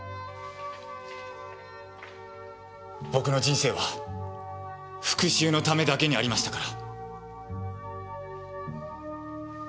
僕の人生は復讐のためだけにありましたから。